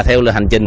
theo lời hành trình